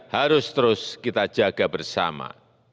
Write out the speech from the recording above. harus terus kita jaga bersama